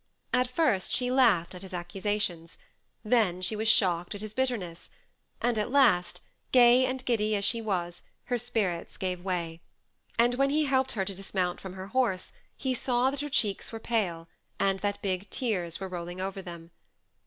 At first she laughed at his accusations, then she was shocked at his bitterness, and at last, gay and giddy as she was, her spirits gave way ; and whe^ he helped her to dis mount from her horse, he saw that her cheeks were pale, and that big tears were rolling over them.